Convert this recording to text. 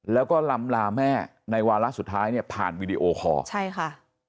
แล้วก็ลำลาแม่ในวาระสุดท้ายเนี่ยผ่านวีดีโอคอร์ใช่ค่ะ